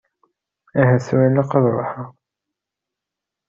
Ahat tura ilaq ad ṛuḥeɣ.